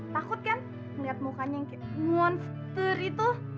takut kan melihat mukanya yang kayak monster itu